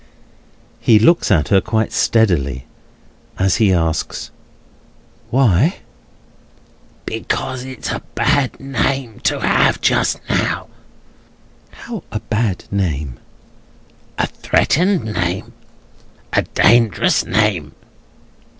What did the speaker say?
He looks at her quite steadily, as he asks: "Why?" "Because it's a bad name to have just now." "How a bad name?" "A threatened name. A dangerous name."